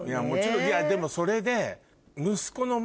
いやでもそれで。